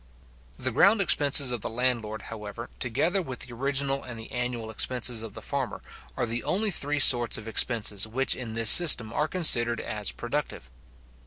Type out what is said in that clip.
The ground expenses of the landlord, however, together with the original and the annual expenses of the farmer, are the only three sorts of expenses which in this system are considered as productive.